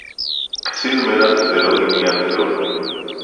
קציר מלח זה לא עניין זול